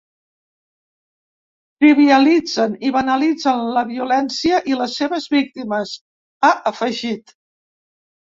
Trivialitzen i banalitzen la violència i les seves víctimes, ha afegit.